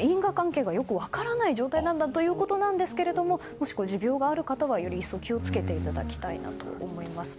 因果関係がよく分からない状態なんだということですがもし、持病がある方は一層気を付けていただきたいと思います。